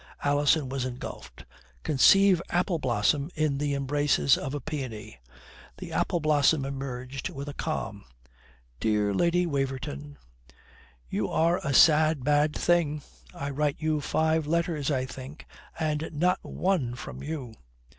Alison was engulfed. Conceive apple blossom in the embraces of a peony. The apple blossom emerged with a calm, "Dear Lady Waverton." "You are a sad bad thing. I writ you five letters, I think, and not one from you."